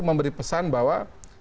memberi pesan bahwa